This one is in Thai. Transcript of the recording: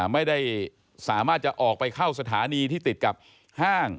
ไม่สามารถจะออกไปเข้าสถานีที่ติดกับห้าง